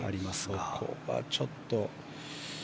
そこはちょっと。